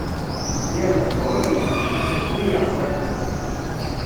Yir lehduṛ am lḥentit, akken ay ṛẓagit.